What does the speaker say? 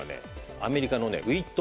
アメリカのねウィット